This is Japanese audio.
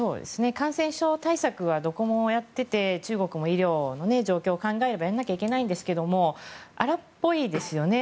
感染症対策はどこもやっていて中国も医療の状況を考えればやらないといけないんですが荒っぽいですよね。